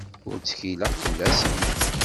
Ur ttkileɣ fell-asent.